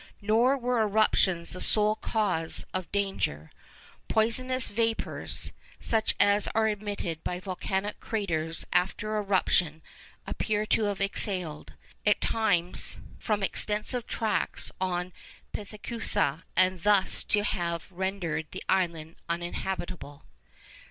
Nor were eruptions the sole cause of danger. Poisonous vapours, such as are emitted by volcanic craters after eruption, appear to have exhaled, at times, from extensive tracts on Pithecusa, and thus to have rendered the island uninhabitable.